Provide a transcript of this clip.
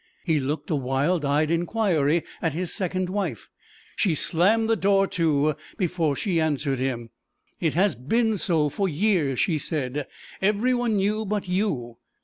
He looked a wild eyed inquiry at his second wife. She slammed the door to before she answered him. 'It has been so for years,' she said; 'every one knew but you.